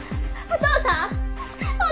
お父さん！